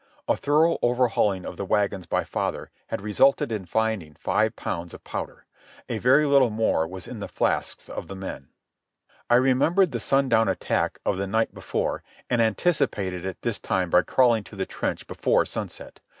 A thorough overhauling of the wagons by father had resulted in finding five pounds of powder. A very little more was in the flasks of the men. I remembered the sundown attack of the night before, and anticipated it this time by crawling to the trench before sunset.